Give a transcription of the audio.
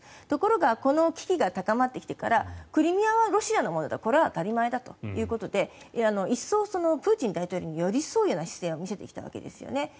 ところが、この危機が高まってきてからクリミアはロシアのものだこれは当たり前だということで一層、プーチン大統領に寄り添うな姿勢を見せてきたわけですね。